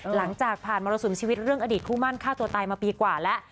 หลังจากผ่านมรสุมชีวิตเรื่องอดีตคู่มั่นฆ่าตัวตายมาปีกว่าแล้ว